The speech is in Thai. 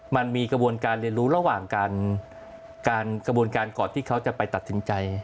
มันมีกระบวนการเรียนรู้ระหว่างการกระบวนการก่อนที่เขาจะไปตัดสินใจ